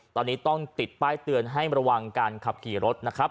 ตอนนี้ต้องติดป้ายเตือนให้ระวังการขับขี่รถนะครับ